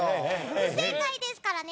不正解ですからね。